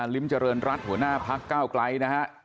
คุณพิทาลิ้มเจริญรัฐหัวหน้าภาคก้าวไกลนะฮะ